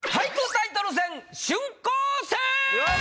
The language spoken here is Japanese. タイトル戦春光戦！